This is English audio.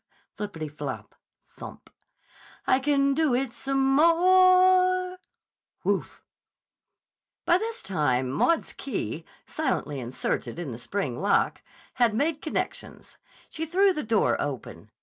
(Floppity flop! Thump!) I can do it some more!" (Whoof!) By this time Maud's key, silently inserted in the spring lock, had made connections. She threw the door open.